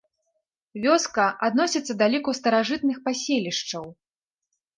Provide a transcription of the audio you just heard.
Вёска адносіцца да ліку старажытных паселішчаў.